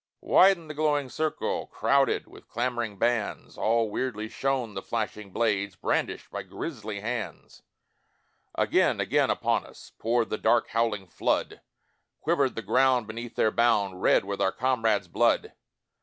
Widened the glowing circle Crowded with clamouring bands, All weirdly shone the flashing blades Brandished by grisly hands; Again, again upon us, Poured the dark howling flood, Quivered the ground beneath their bound, Red with our comrades' blood.